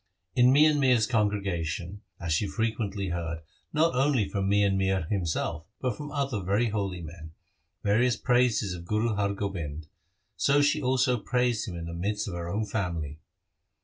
In Mian Mir's congregation, as she frequently heard, not only from Mian Mir himself but from other very holy men, various praises of Guru Har Gobind, so she also praised him in the midst of her own family.